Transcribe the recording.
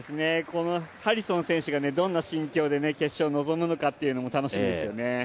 ハリソン選手がどんな心境で決勝に臨むのかも楽しみですよね。